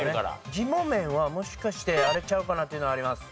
ジモメンはもしかしてあれちゃうかな？っていうのはあります。